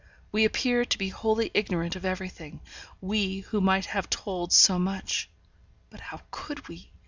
We appeared to be wholly ignorant of everything: we, who might have told so much. But how could we?